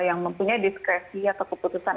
yang mempunyai diskresi atau keputusan